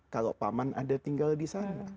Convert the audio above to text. kalau paman ada tinggal di sana